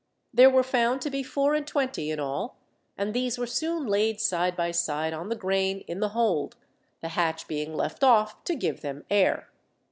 There were found to be four and twenty in all, and these were soon laid side by side on the grain in the hold, the hatch being left off to give them air.